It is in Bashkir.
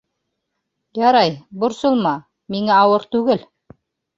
— Ярай, борсолма, миңә ауыр түгел.